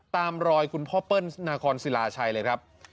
ตามรอยคุณพ่อเปิ้ลนาคอนศิลาชัยเลยครับ